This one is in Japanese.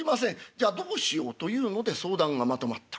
「じゃあどうしよう」というので相談がまとまった。